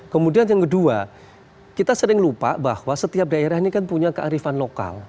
kemudian yang kedua kita sering lupa bahwa setiap daerah ini kan punya kearifan lokal